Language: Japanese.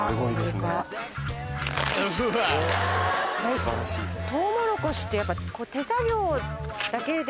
素晴らしいです。